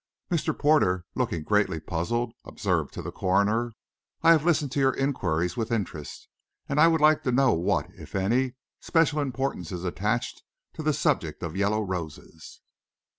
Mr. Porter, looking greatly puzzled, observed to the coroner, "I have listened to your inquiries with interest; and I would like to know what, if any, special importance is attached to this subject of yellow roses."